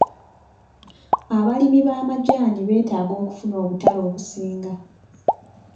Abalimi b'amajaani beetaaga okufuna obutale obusinga.